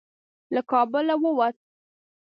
له کابله ووت.